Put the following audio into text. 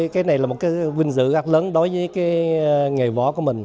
cái này là một cái vinh dự rất lớn đối với cái nghề võ của mình